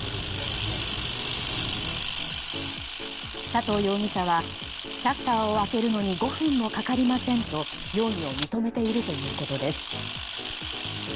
佐藤容疑者はシャッターを開けるのに５分もかかりませんと容疑を認めているということです。